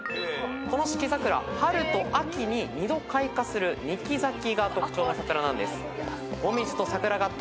この四季桜春と秋に２度開花する二季咲きが特徴の桜なんです。